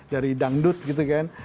dari dangdut gitu kan